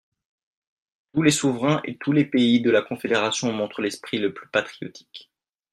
Tous les souverains et tous les pays de la confédération montrent l'esprit le plus patriotique.